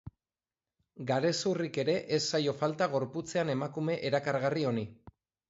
Garezurrik ere ez zaio falta gorputzean emakume erakargarri honi.